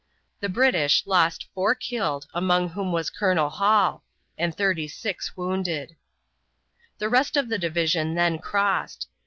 The British lost 4 killed, among whom was Colonel Hall, and 36 wounded. The rest of the division then crossed.